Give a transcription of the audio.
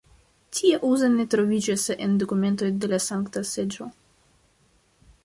Tia uzo ne troviĝas en dokumentoj de la Sankta Seĝo.